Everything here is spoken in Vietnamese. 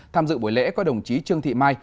tham dự buổi lễ có đồng chí trương thị mai